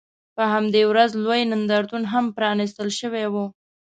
په همدې ورځ لوی نندارتون هم پرانیستل شوی و.